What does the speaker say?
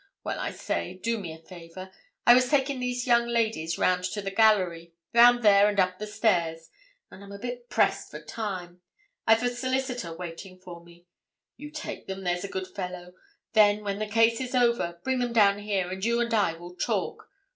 Well, I say, do me a favour. I was taking these ladies round to the gallery—round there, and up the stairs—and I'm a bit pressed for time—I've a solicitor waiting for me. You take them—there's a good fellow; then, when the case is over, bring them down here, and you and I will talk.